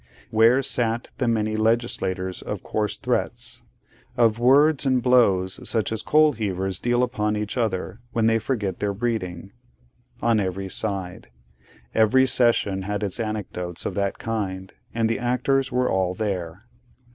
Where sat the many legislators of coarse threats; of words and blows such as coalheavers deal upon each other, when they forget their breeding? On every side. Every session had its anecdotes of that kind, and the actors were all there.